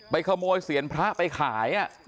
ขโมยเสียนพระไปขาย